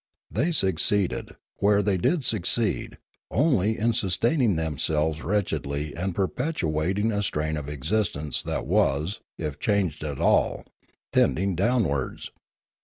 They succeeded, where they did succeed, only in sustaining themselves wretchedly and perpetuating a strain of existence that was, if changed at all, tending downwards.